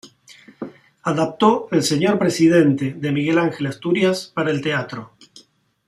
Adaptó "El Señor Presidente" de Miguel Ángel Asturias para el teatro.